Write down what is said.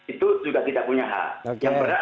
itu juga tidak punya hak yang berhak